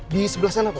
di sebelah sana pak